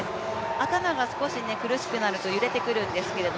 頭が少し苦しくなると揺れてくるんですけど、